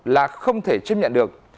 là không thể chấp nhận được